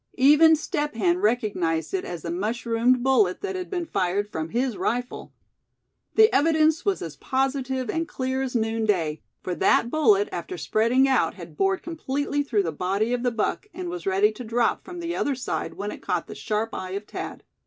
Even Step Hen recognized it as the mushroomed bullet that had been fired from his rifle. The evidence was as positive and clear as noonday; for that bullet, after spreading out, had bored completely through the body of the buck, and was ready to drop from the other side when it caught the sharp eye of Thad.